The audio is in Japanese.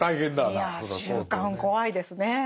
いや習慣怖いですねぇ。